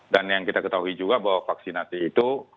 yang kita ketahui juga bahwa vaksinasi itu